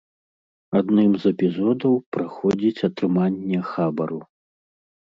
Адным з эпізодаў праходзіць атрыманне хабару.